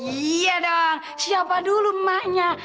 iya dong siapa dulu emaknya